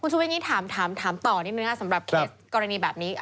คุณชุบิ๊กนี้ถามถามต่อนิดหนึ่งนะสำหรับเคสกรณีแบบนี้